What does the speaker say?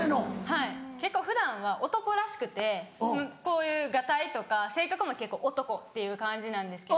はい結構普段は男らしくてこういうがたいとか性格も結構男っていう感じなんですけど。